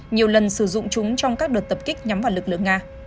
nhiều lần sử dụng chúng trong các đợt tập kích nhắm vào lực lượng nga